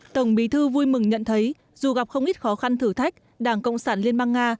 tổng bí thư vui mừng nhận thấy dù gặp không ít khó khăn thử thách đảng cộng sản liên bang nga